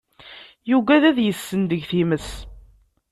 Yugad ad isendeg times.